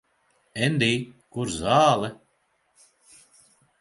Endij, kur zāle?